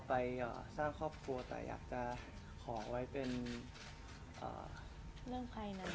เพิ่งประตูแรกเอง